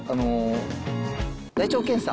大腸検査。